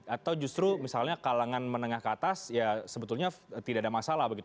atau justru misalnya kalangan menengah ke atas ya sebetulnya tidak ada masalah begitu